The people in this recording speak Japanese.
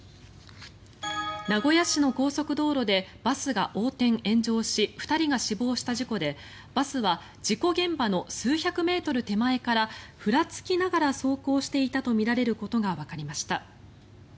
名古屋市の高速道路でバスが横転・炎上し２人が死亡した事故でバスは事故現場の数百メートル手前からふらつきながら走行していたとみられることがわかりました。